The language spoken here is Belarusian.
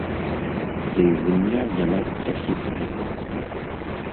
Ды і гульня не надта хітрая.